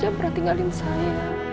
jangan pernah tinggalin saya